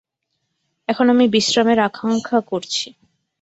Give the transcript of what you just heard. এখন আমি বিশ্রামের আকাঙ্ক্ষা করছি।